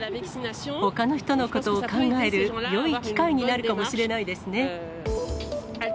ほかの人のことを考えるよい機会になるかもしれないですね。